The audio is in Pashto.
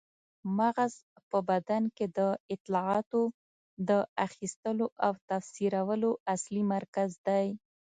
مغز په بدن کې د اطلاعاتو د اخیستلو او تفسیرولو اصلي مرکز دی.